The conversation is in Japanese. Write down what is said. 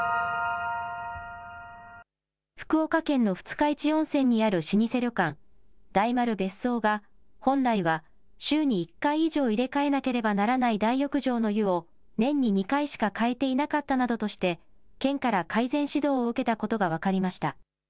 福岡県の二日市温泉にある老舗旅館、大丸別荘が、本来は、週に１回以上入れ替えなければならない大浴場の湯を、年に２回しかかえていなかったなどとして、県から改善指導を受けたことが分かりました。